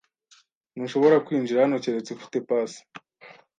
Ntushobora kwinjira hano keretse ufite pass.